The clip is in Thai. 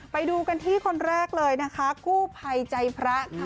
ไปดูกันที่คนแรกเลยนะคะกู้ภัยใจพระค่ะ